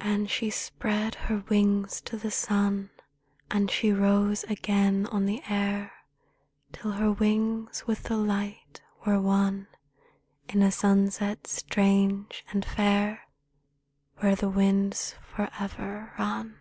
And she spread her wings to the sun, And she rose again on the air, Till her wings with the light were one In a sunset strange and fair, Where the winds forever run.